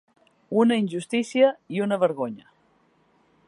Una injustícia i una vergonya.